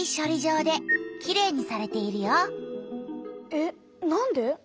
えっなんで？